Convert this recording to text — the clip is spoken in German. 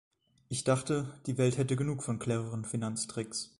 Ich dachte, die Welt hätte genug von cleveren Finanztricks.